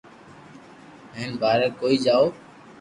ھون ٻاري ڪوئي جاو